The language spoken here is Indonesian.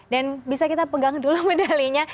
dan bisa kita pegang dulu medalinya